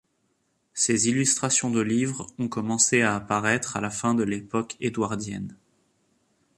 Ses illustrations de livres ont commencé à apparaître à la fin de l'époque édouardienne.